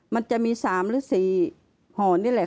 มันจะมี๓หรือ๔ห่อนี่แหละ